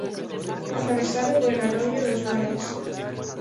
Atravesado por el arroyo dos Vales.